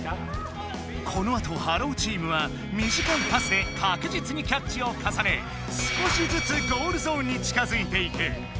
このあと「ｈｅｌｌｏ，」チームはみじかいパスでかくじつにキャッチをかさね少しずつゴールゾーンに近づいていく！